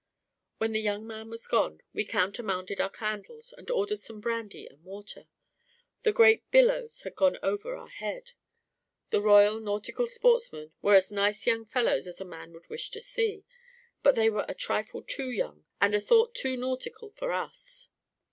When the young man was gone, we countermanded our candles, and ordered some brandy and water. The great billows had gone over our head. The Royal Nautical Sportsmen were as nice young fellows as a man would wish to see, but they were a trifle too young and a thought too nautical for us.